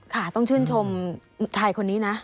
ค่ะต้องชื่นชมชายคนนี้นะ